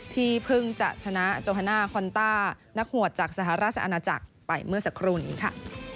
ที่เพิ่งจะชนะโจฮาน่าคอนต้านักหวดจากสหราชอาณาจักรไปเมื่อสักครู่นี้ค่ะ